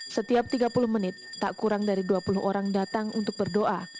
setiap tiga puluh menit tak kurang dari dua puluh orang datang untuk berdoa